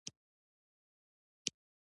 خر وویل چې زما ژوند تر اس غوره دی.